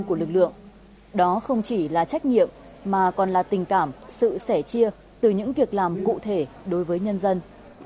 của lực lượng đó không chỉ là trách nhiệm mà còn là tình cảm sự sẻ chia từ những việc làm cụ thể đối với nhân dân